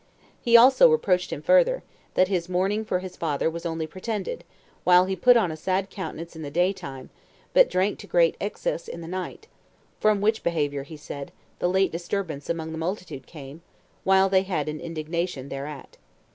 He also reproached him further, that his mourning for his father was only pretended, while he put on a sad countenance in the day time, but drank to great excess in the night; from which behavior, he said, the late disturbance among the multitude came, while they had an indignation thereat.